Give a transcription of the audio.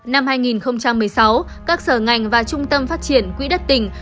năm hai nghìn một mươi sáu các sở ngành và trung tâm phát triển quỹ đất tỉnh